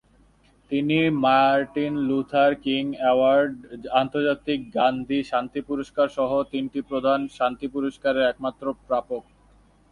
তিনি Martin Luther King award, আন্তর্জাতিক গান্ধী শান্তি পুরস্কারসহ তিনটি প্রধান শান্তি পুরস্কারের একমাত্র প্রাপক।